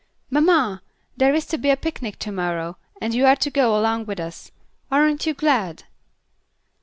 "Mamma. There is to be a picnic to morrow, and you are to go along with us. Aren't you glad?"